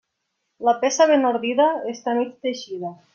La peça ben ordida està mig teixida.